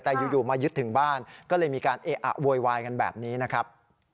แต่อยู่มายึดถึงบ้านก็เลยมีการเอะอะโวยวายกันแบบนี้นะครับ